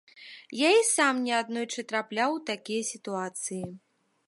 Я і сам неаднойчы трапляў у такія сітуацыі.